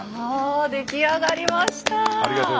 ああ出来上がりました！